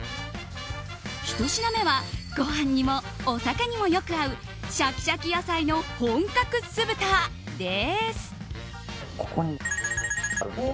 ひと品目はごはんにもお酒にもよく合うシャキシャキ野菜の本格酢豚です。